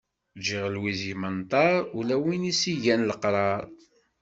Ǧǧiɣ lwiz yemmenṭar, ula win as-yegan leqrar.